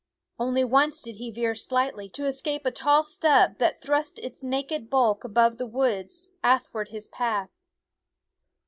Only once did he veer slightly, to escape a tall stub that thrust its naked bulk above the woods athwart his path.